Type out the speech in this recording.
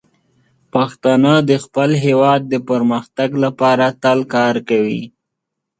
پښتانه د خپل هیواد د پرمختګ لپاره تل کار کوي.